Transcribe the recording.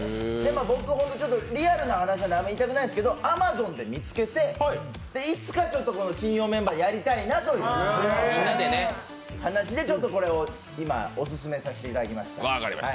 僕、リアルな話であまり言いたくないんですけど、Ａｍａｚｏｎで見つけて、いつか金曜メンバーでやりたいなって話でちょっとこれを今、お勧めさせていただきました。